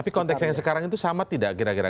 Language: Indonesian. tapi konteks yang sekarang itu sama tidak kira kira